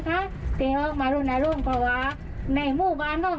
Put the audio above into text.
เขาพูดเก่งนะเขาพูดไม่หยุดเลยนะ